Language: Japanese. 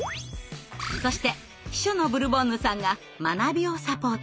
そして秘書のブルボンヌさんが学びをサポートします。